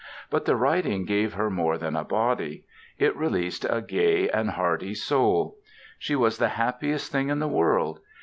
But the riding gave her more than a body. It released a gay and hardy soul. She was the happiest thing in the world.